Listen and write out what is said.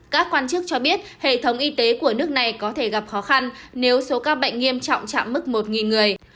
các quan chức cho biết hệ thống y tế của nước này có thể gặp khó khăn nếu số ca bệnh nghiêm trọng chạm mức một người